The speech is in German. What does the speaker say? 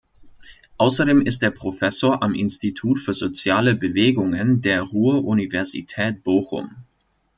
Außerdem ist er Professor am Institut für soziale Bewegungen der Ruhr-Universität Bochum.